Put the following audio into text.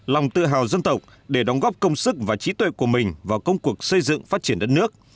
lòng tự hào dân tộc để đóng góp công sức và trí tuệ của mình vào công cuộc xây dựng phát triển đất nước